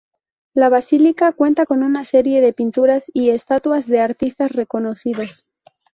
La basílica cuenta con una serie de pinturas y estatuas de artistas reconocidos.